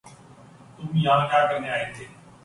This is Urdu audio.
تم یہاں کیا کرنے آئے تھے